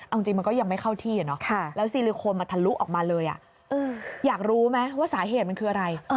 เอาจริงมันก็ยังไม่เข้าที่แล้วซิลิโคนมันทะลุออกมาเลยอยากรู้ไหมว่าสาเหตุมันคืออะไร